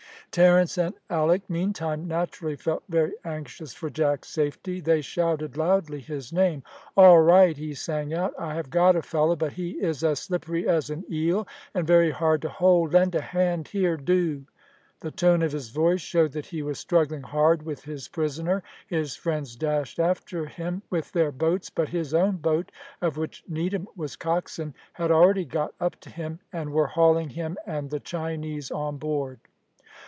Terence and Alick, meantime, naturally felt very anxious for Jack's safety. They shouted loudly his name. "All right," he sang out; "I have got a fellow, but he is as slippery as an eel, and very hard to hold. Lend a hand here, do." The tone of his voice showed that he was struggling hard with his prisoner. His friends dashed after him with their boats, but his own boat, of which Needham was coxswain, had already got up to him, and were hauling him and the Chinese on board.